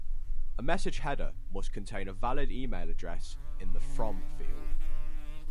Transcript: A message header must contain a valid email address in the From field.